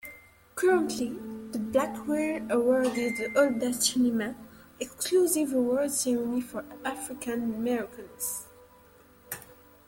Currently, the Black Reel Awards is the oldest cinema-exclusive awards ceremony for African-Americans.